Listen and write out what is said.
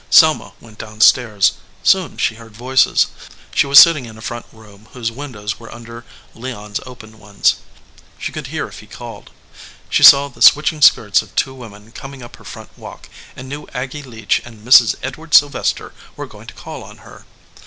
Selma went down stairs. Soon she heard voices. She was sitting in a front room whose windows were under Leon s open ones. She could hear if he called. She saw the switching skirts of two women coming up her front walk, and knew Aggy Leach and Mrs. Edward Sylvester were going to call on her.